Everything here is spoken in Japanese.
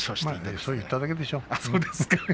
そう言っただけでしょう。